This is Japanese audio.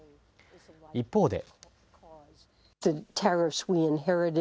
一方で。